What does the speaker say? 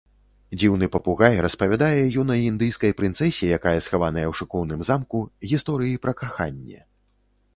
Дзіўны папугай распавядае юнай індыйскай прынцэсе, якая схаваная у шыкоўным замку, гісторыі пра каханне.